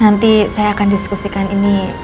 nanti saya akan diskusikan ini